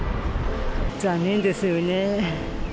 残念ですよね。